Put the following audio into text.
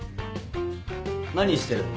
何してるの？